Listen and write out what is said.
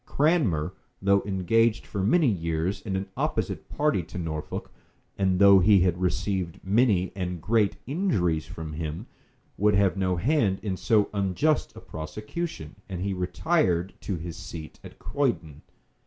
Cranmer, though engaged for many years in an opposite party to Norfolk, and though he had received many and great injuries from him, would have no hand in so unjust a prosecution; and he retired to his seat at Croydon.